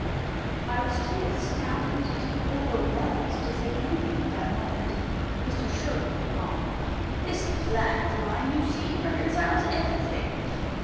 I was too astounded, too overwhelmed, to say anything at that moment; Mr. Sherwin went on: "This plan of mine, you see, reconciles everything.